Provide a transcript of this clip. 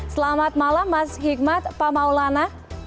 selamat malam mas hikmat pak maulana